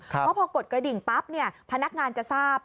เพราะพอกดกระดิ่งปั๊บพนักงานจะทราบ